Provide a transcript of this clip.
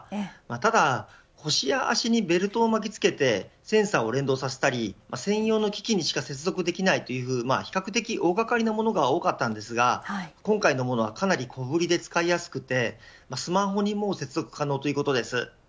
ただ、腰や足にベルトを巻きつけてセンサーを連動させたり専用の機器にしか接続できないという比較的大掛かりなものが多かったのですが今回のものはかなり小ぶりで使いやすくてスマホにも接続可能ということです。